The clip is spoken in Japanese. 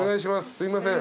すいません。